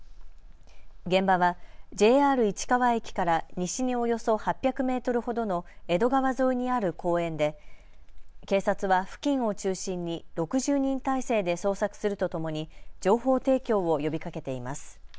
現場はＪＲ市川駅から西におよそ８００メートルほどの江戸川沿いにある公園で警察は付近を中心に６０人体制で捜索するとともに情報提供を呼びかけています。